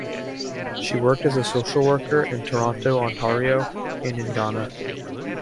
She worked as a social worker in Toronto, Ontario and in Ghana.